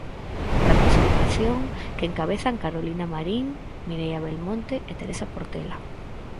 Representación que encabezan Carolina Marín, Mireia Belmonte e Teresa Portela.